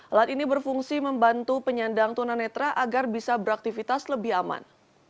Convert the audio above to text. alat ini berfungsi membantu penyandang tunanetra agar bisa beraktivitas lebih aman